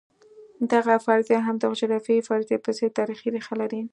دغه فرضیه هم د جغرافیوي فرضیې په څېر تاریخي ریښه لري.